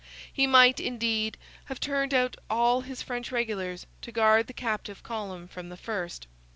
He might, indeed, have turned out all his French regulars to guard the captive column from the first.